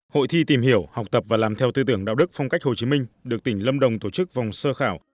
hội thi tìm hiểu học tập và làm theo tư tưởng đạo đức phong cách hồ chí minh được tỉnh lâm đồng tổ chức vòng sơ khảo